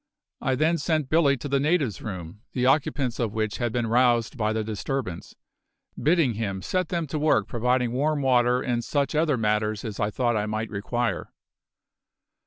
I then sent Billy to the natives' room, the occupants of which had been roused by the disturbance, bidding him set them to work providing warm water and such other matters as I thought I might require.